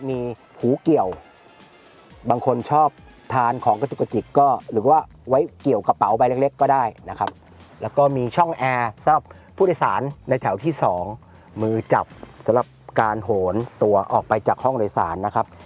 มีหูเกี่ยวบางคนชอบทานของกระจุกกระจิกก็หรือว่าไว้เกี่ยวกระเป๋าใบเล็กก็ได้นะครับแล้วก็มีช่องแอร์สำหรับผู้โดยสารในแถวที่๒มือจับสำหรับการโหนตัวออกไปจากห้องโดยสารนะครับ